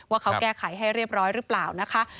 ว่าเขาแก้ไขให้เรียบร้อยหรือเปล่านะคะ